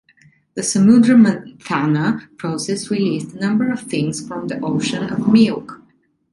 The Samudra Manthana process released a number of things from the Ocean of Milk.